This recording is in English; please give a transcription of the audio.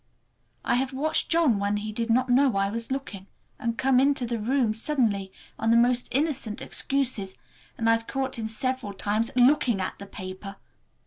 I have watched John when he did not know I was looking, and come into the room suddenly on the most innocent excuses, and I've caught him several times looking at the paper!